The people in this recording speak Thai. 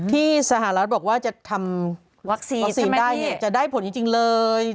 ที่สหรัฐบอกว่าจะทำวัคซีนได้จะได้ผลจริงเลย